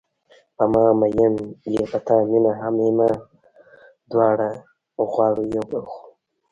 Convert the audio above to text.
په ما میین یې په تا مینه همیمه دواړه غواړو یو بل خو